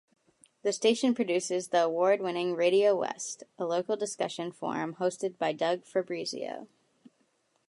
The station produces the award-winning "RadioWest", a local discussion forum hosted by Doug Fabrizio.